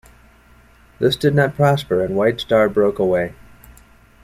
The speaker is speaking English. This did not prosper and White Star broke away.